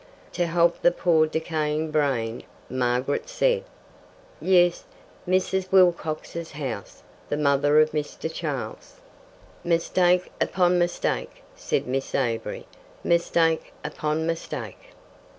To help the poor decaying brain, Margaret said: "Yes, Mrs. Wilcox's house, the mother of Mr. Charles." "Mistake upon mistake," said Miss Avery. "Mistake upon mistake."